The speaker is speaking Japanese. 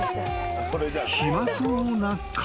［暇そうな亀］